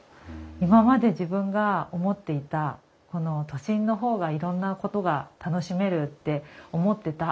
今まで自分が思っていた都心の方がいろんなことが楽しめるって思ってた。